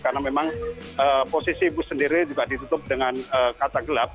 karena memang posisi bus sendiri juga ditutup dengan kata gelap